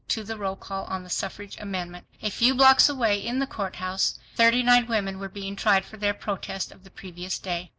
to the roll call on the suffrage amendment. A few blocks away in the courthouse, thirty nine women were being tried for their protest of the previous day.